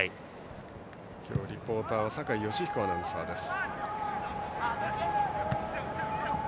今日リポーターは酒井良彦アナウンサーです。